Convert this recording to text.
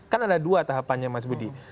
kan ada dua tahapannya mas budi